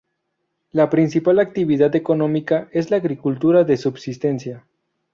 La principal actividad económica es la agricultura de subsistencia.